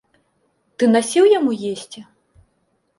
Ты насіў яму есці?